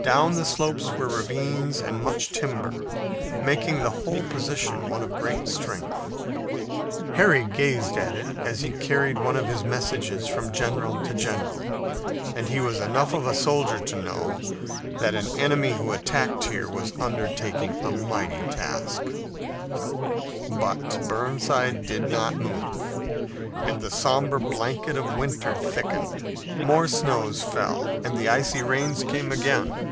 Down the slopes were ravines and much timber, making the whole position one of great strength. Harry gazed at it as he carried one of his messages from general to general, and he was enough of a soldier to know that an enemy who attacked here was undertaking a mighty task. But Burnside did not move, and the somber blanket of winter thickened. More snows fell and the icy rains came again.